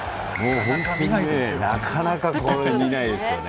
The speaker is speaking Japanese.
なかなか見ないですよね。